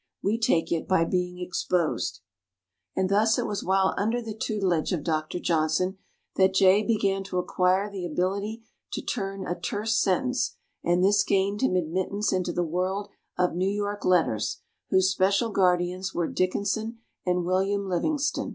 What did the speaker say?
We take it by being exposed. And thus it was while under the tutelage of Doctor Johnson that Jay began to acquire the ability to turn a terse sentence; and this gained him admittance into the world of New York letters, whose special guardians were Dickinson and William Livingston.